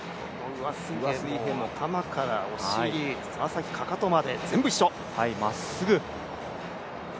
上水平も頭からお尻爪先、かかとまで全部一緒。